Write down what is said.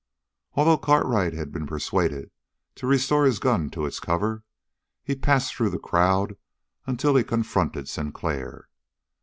Although Cartwright had been persuaded to restore his gun to its cover, he passed through the crowd until he confronted Sinclair.